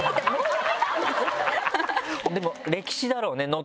でも歴史だろうねノ